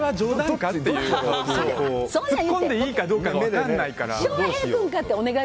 ツッコんでいいかどうか分かんないから。